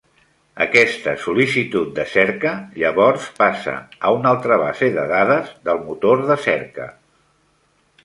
Aquesta sol·licitud de cerca, llavors, passa a una altra base de dades del motor de cerca.